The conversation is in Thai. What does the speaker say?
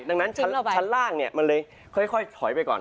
ดังนั้นชั้นล่างเนี่ยมันเลยค่อยถอยไปก่อน